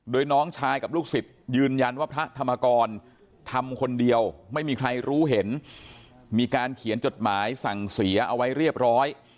โดยน้องชายกับลูกศิษย์ยืนยันว่าพระธรรมกรทำคนเดียวไม่มีใครรู้เห็นมีการเขียนจดหมายสั่งเสียเอาไว้เรียบร้อย